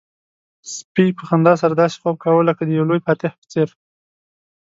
سپي په خندا سره داسې خوب کاوه لکه د یو لوی فاتح په څېر.